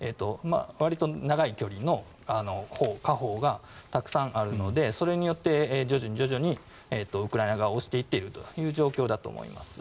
わりと長い距離の火砲がたくさんあるのでそれによって徐々に徐々にウクライナ側を押していっているという状況だと思います。